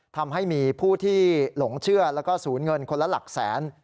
ทำให้มีผู้ที่หลงเชื่อแล้วก็ศูนย์เงินคนละหลักแสน